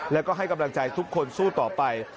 แล้วก็ให้กำลังใจทุกคนสู้ต่อไป